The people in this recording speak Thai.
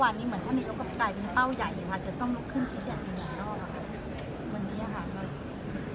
วันนี้อาหารมัน